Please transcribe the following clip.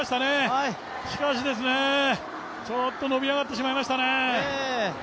しかし、ちょっと伸び上がってしまいましたね。